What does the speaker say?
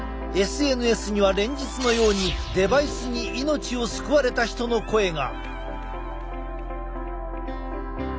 ＳＮＳには連日のようにデバイスに命を救われた人の声が。